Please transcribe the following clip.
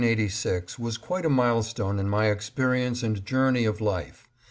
SEPTEMBER, 1886, was quite a milestone in my ex perience and journey of life.